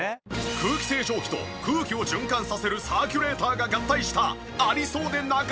空気清浄機と空気を循環させるサーキュレーターが合体したありそうでなかった新商品。